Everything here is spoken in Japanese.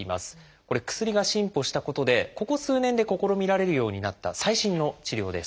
これ薬が進歩したことでここ数年で試みられるようになった最新の治療です。